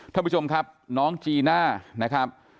ท่านผู้ชมครับน้องจีน่านะครับ